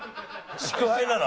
祝杯なの？